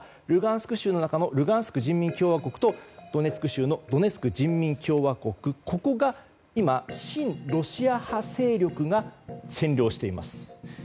ルガンスク州の中のルガンスク人民共和国とドネツク州のドネツク人民共和国ここを今、親ロシア派勢力が占領しています。